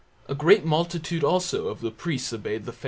A great multitude also of the priests obeyed the faith.